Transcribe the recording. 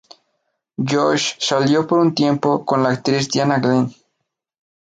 Josh salió por un tiempo con la actriz Diana Glenn.